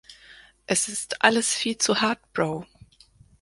Es ist alles viel zu hart, Bro.